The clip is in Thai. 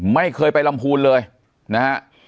ไม่เคยไปลำพูนเลยนะฮะ